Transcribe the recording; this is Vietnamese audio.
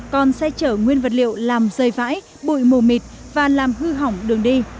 còn xe chở nguyên vật liệu làm rơi vãi bụi mù mịt và làm hư hỏng đường đi